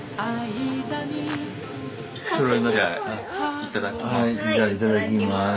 いただきます。